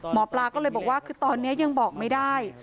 หมอปลาก็เลยบอกว่าคือตอนนี้ยังบอกไม่ได้